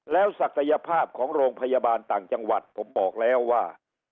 แล้วศักยภาพของโรงพยาบาลต่างจังหวัดผมบอกแล้วว่า